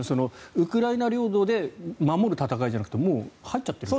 ウクライナ領土で守る戦いじゃなくてもう入っちゃっていると。